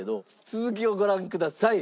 続きをご覧ください。